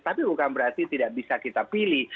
tapi bukan berarti tidak bisa kita pilih